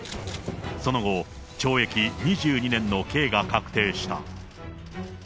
その後、懲役２２年の刑が確定した。